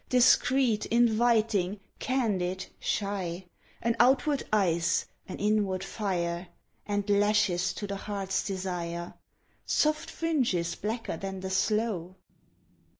Discreet, inviting, candid, shy, An outward ice, an inward fire, And lashes to the heart's desire Soft fringes blacker than the sloe.